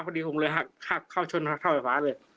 พอดีผมเลยหักเข้าชนหักเข้าไฟฟ้าเลย